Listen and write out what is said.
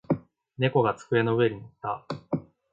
猫が机の上に乗った。